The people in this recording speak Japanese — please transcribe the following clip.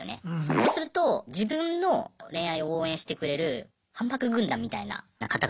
そうすると自分の恋愛を応援してくれるハンバーグ軍団みたいな方々が増えていって。